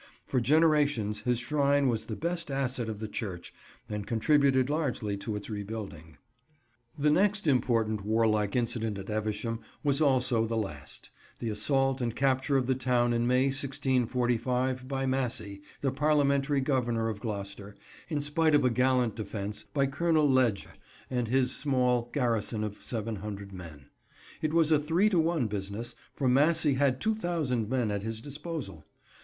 For generations his shrine was the best asset of the church and contributed largely to its rebuilding. The next important warlike incident at Evesham was also the last; the assault and capture of the town in May 1645 by Massey, the Parliamentary Governor of Gloucester, in spite of a gallant defence by Colonel Legge and his small garrison of 700 men. It was a three to one business, for Massey had 2000 men at his disposal.